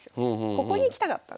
ここに来たかったんです。